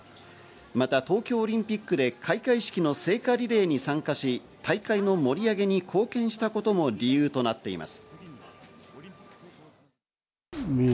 また東京オリンピックで開会式の聖火リレーに参加し、大会の盛り上げに貢献したことも理由となっています。